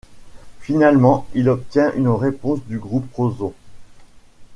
Finalement, il obtient une réponse du Groupe Rozon.